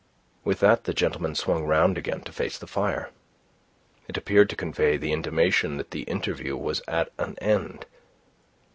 With that the gentleman swung round again to face the fire. It appeared to convey the intimation that the interview was at an end.